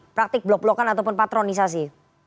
praktik blok blokan ataupun patronisasi